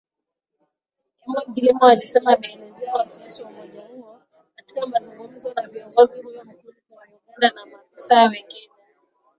Eamon Gilmore alisema ameelezea wasiwasi wa umoja huo, katika mazungumzo na kiongozi huyo mkongwe wa Uganda na maafisa wengine